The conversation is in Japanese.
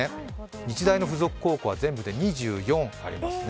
日大の付属高校は全部で２４ありますね。